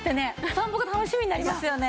散歩が楽しみになりますよね。